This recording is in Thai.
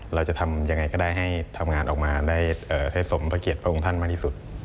เราจะทำยังไงก็ได้ให้ทำงานออกมาสมประเขตพระองค์ธรรมด์มาที่สุด